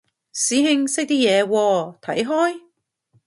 師兄識啲嘢喎，睇開？